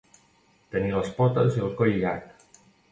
Tenien les potes i el coll llarg.